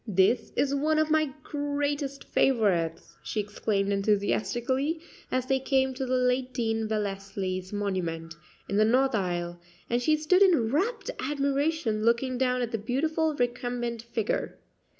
"This is one of my greatest favorites," she exclaimed enthusiastically, as they came to the late Dean Wellesley's monument, in the north aisle; and she stood in rapt admiration looking down at the beautiful recumbent figure.